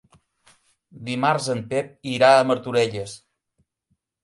Dimarts en Pep irà a Martorelles.